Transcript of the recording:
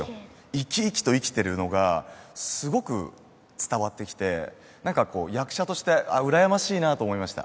生き生きと生きてるのがすごく伝わってきて何かこう役者としてうらやましいなと思いました